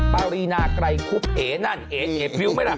ปารีนาไกรคุบเอ๋นั่นเอ๋เอบริ้วไหมล่ะ